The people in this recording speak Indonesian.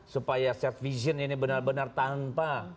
supaya set vision ini benar benar tanpa